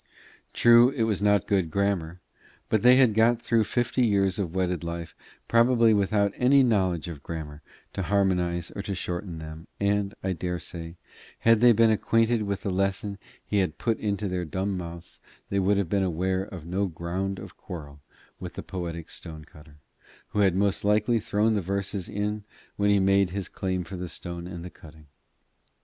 True, it was not good grammar; but they had got through fifty years of wedded life probably without any knowledge of grammar to harmonise or to shorten them, and I daresay, had they been acquainted with the lesson he had put into their dumb mouths, they would have been aware of no ground of quarrel with the poetic stone cutter, who most likely had thrown the verses in when he made his claim for the stone and the cutting.